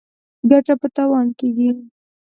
ګټه په تاوان کېږي.